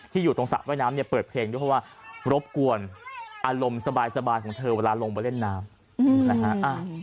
อยู่ตรงสระว่ายน้ำเนี่ยเปิดเพลงด้วยเพราะว่ารบกวนอารมณ์สบายของเธอเวลาลงไปเล่นน้ำนะฮะ